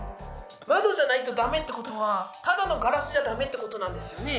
窓じゃないとダメってことはただのガラスじゃダメってことなんですよね。